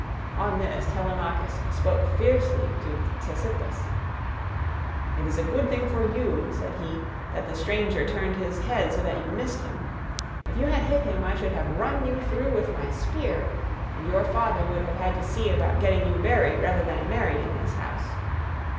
On this Telemachus spoke fiercely to Ctesippus, "It is a good thing for you," said he, "that the stranger turned his head so that you missed him. If you had hit him I should have run you through with my spear, and your father would have had to see about getting you buried rather than married in this house.